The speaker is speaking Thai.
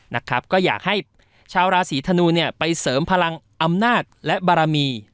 นะครับก็อยากให้ชาวราศีธนูเนี่ยไปเสริมพลังอำนาจและบารมี